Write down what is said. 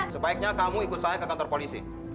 sebaiknya kamu ikut saya ke kantor polisi